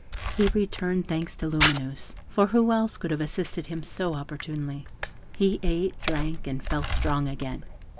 He returned thanks to Lumineuse, for who else could have assisted him so opportunely? He ate, drank, and felt strong again.